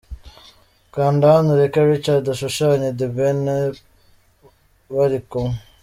Kanda hano urebe Richard ashushanya The Ben bari kumwe.